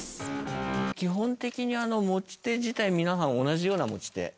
基本的に持ち手自体皆さん同じような持ち手。